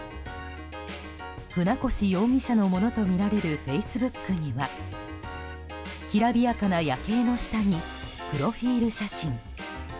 船越容疑者のものとみられるフェイスブックにはきらびやかな夜景の下にプロフィール写真。